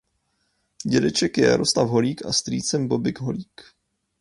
Dědečkem je Jaroslav Holík a strýcem Bobby Holík.